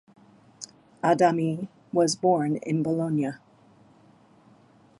Adami was born in Bologna.